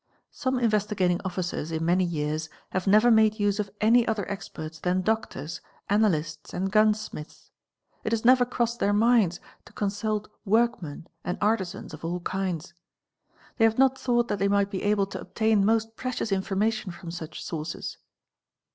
Some Investigating Officers in many years "have never made use of any other experts than doctors, analysts, and eunsmiths ; it has never crossed their minds to consult workmen and artisans of all kinds. They have not thought that they might be able to Yobtain most precious information from such sources.